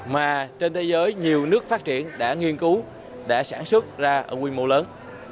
mà trên thế giới nhiều nước phát triển đã nghiên cứu đã sản xuất ra ở quy mô lớn